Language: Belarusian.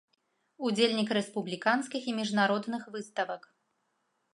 Удзельнік рэспубліканскіх і міжнародных выставак.